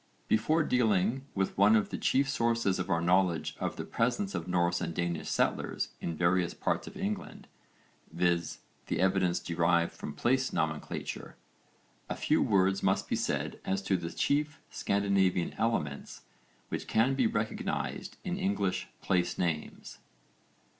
Before dealing with one of the chief sources of our knowledge of the presence of Norse and Danish settlers in various parts of England, viz. the evidence derived from place nomenclature, a few words must be said as to the chief Scandinavian elements which can be recognised in English place names.